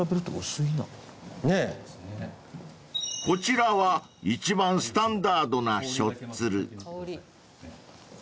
［こちらは一番スタンダードなしょっつる］